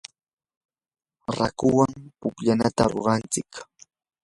raakuwan pukllanata ruranchik.